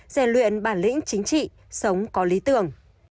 rèn luyện bản lĩnh chính trị sống có lý tưởng